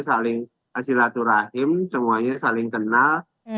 saling silaturahim semuanya saling kenal